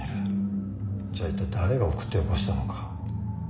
じゃあいったい誰が送ってよこしたのか。